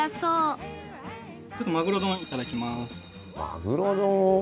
ちょっとマグロ丼いただきます。